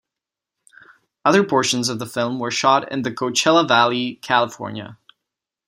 Other portions of the film were shot in the Coachella Valley, California.